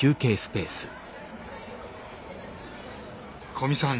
古見さん